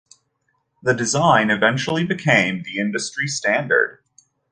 This design eventually became the industry standard.